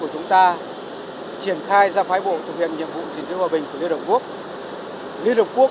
chúng ta đã triển khai ra phái bộ thực hiện nhiệm vụ chiến dự hòa bình của liên hợp quốc